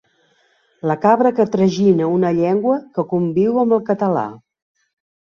La cabra que tragina una llengua que conviu amb el català.